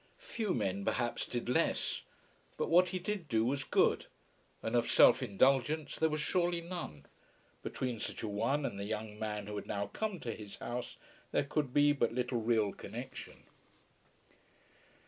Few men perhaps did less, but what he did do was good; and of self indulgence there was surely none. Between such a one and the young man who had now come to his house there could be but little real connexion.